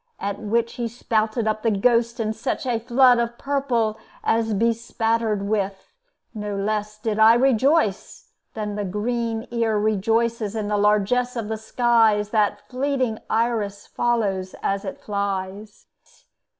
At which he spouted up the Ghost in such A flood of purple as, bespattered with, No less did I rejoice than the green ear Rejoices in the largesse of the skies That fleeting Iris follows as it flies."